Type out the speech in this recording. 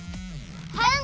はい！